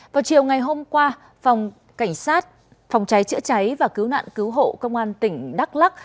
vào chiều ngày hôm qua phòng cảnh sát phòng cháy chữa cháy và cứu nạn cứu hộ công an tỉnh đắk lắc